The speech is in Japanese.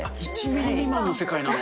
１ミリ未満の世界なの？